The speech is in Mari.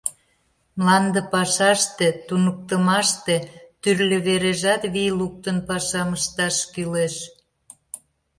Мланде пашаште, туныктымаште, тӱрлӧ вережат вий луктын-пашам ышташ кӱлеш.